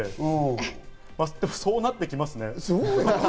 まぁ、そうなってきますね。